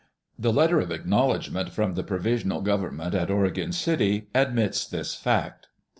J^he letter of acknowledgment from the provisional government at Oregon City admits this fact.